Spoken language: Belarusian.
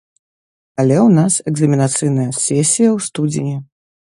Але ў нас экзаменацыйная сесія ў студзені.